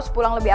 nah lari aja sih